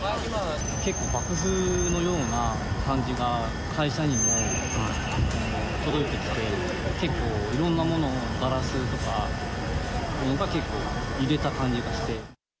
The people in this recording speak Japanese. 結構、爆風のような感じが、会社にも届いてきて、結構いろんなもの、ガラスとかが結構揺れた感じがして。